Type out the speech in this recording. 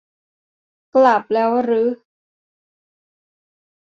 กลับแล้วรึ